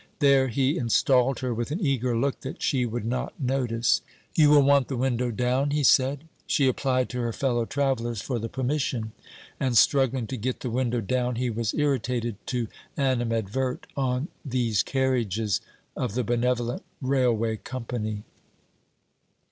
There he installed her, with an eager look that she would not notice. 'You will want the window down,' he said. She applied to her fellow travellers for the permission; and struggling to get the window down, he was irritated to animadvert on 'these carriages' of the benevolent railway Company.